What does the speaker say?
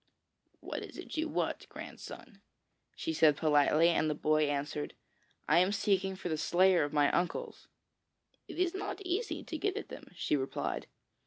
'What is it you want, grandson?' said she, politely, and the boy answered: 'I am seeking for the slayer of my uncles.' 'It is not easy to get at them,' she replied.